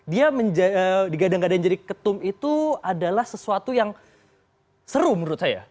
dia digadang gadang jadi ketum itu adalah sesuatu yang seru menurut saya